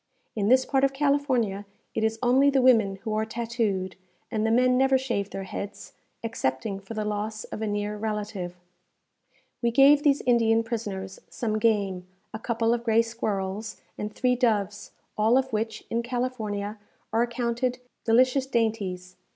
In this part of California it is only the women who are tattooed, and the men never shave their heads, excepting for the loss of a near relative. We gave these Indian prisoners some game, a couple of gray squirrels, and three doves, all of which, in California, are accounted delicious dainties.